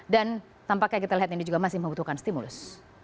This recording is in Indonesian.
dan tampaknya kita lihat ini juga masih membutuhkan stimulus